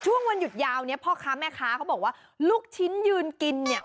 วันหยุดยาวเนี่ยพ่อค้าแม่ค้าเขาบอกว่าลูกชิ้นยืนกินเนี่ย